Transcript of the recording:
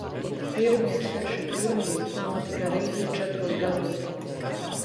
Pirmie seši turnīri notika reizi četros gados.